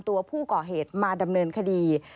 ตัวผู้ก่อเหตุมาดำเนินคดี